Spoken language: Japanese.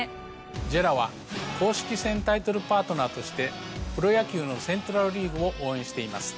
ＪＥＲＡは公式戦タイトルパートナーとしてプロ野球のセントラル・リーグを応援しています。